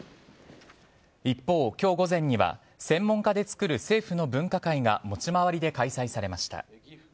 一方、今日午前には専門家でつくる政府の分科会が持ち回りで開催されました。